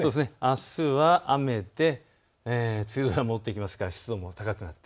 あすは雨で梅雨が戻ってきますから湿度も高くなる。